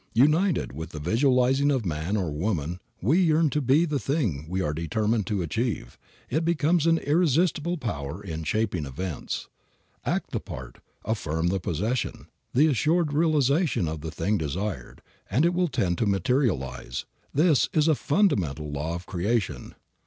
United with the visualizing of the man or woman we yearn to be or the thing we are determined to achieve, it becomes an irresistible power in shaping events. Act the part, affirm the possession, the assured realization of the thing desired, and it will tend to materialize. This is a fundamental law of creation.